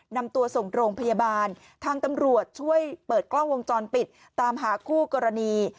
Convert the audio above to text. นำตัวส่งโรงพยาบาลทางตำรวจช่วยเปิดกล้องวงจรปิดตามหาคู่กรณี